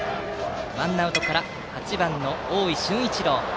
ワンアウトから８番の大井駿一郎。